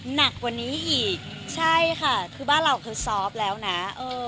หนักกว่านี้อีกใช่ค่ะคือบ้านเราคือซอฟต์แล้วนะเออ